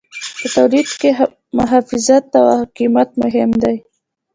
په تولید کې محافظت او قیمت مهم دي.